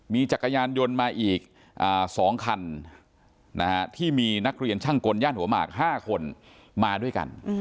มีจักรยานยนต์มาอีก๒คันที่มีนักเรียนช่างกลย่านหัวหมาก๕คนมาด้วยกัน